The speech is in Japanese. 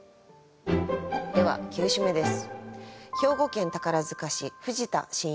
では９首目です。